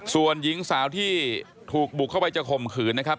ส่วนหญิงสาวที่ถูกบุกเข้าไปจะข่มขืนนะครับ